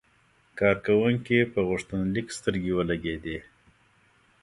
کارکونکي په غوښتنلیک سترګې ولګېدې.